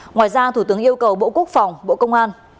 ngoài ra thủ tướng yêu cầu bộ quốc phòng bộ công an